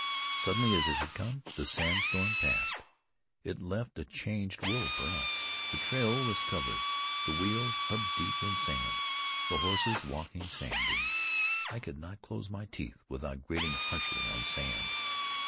Suddenly as it had come, the sandstorm passed. It left a changed world for us. The trail was covered; the wheels hub deep in sand; the horses, walking sand dunes. I could not close my teeth without grating harshly on sand.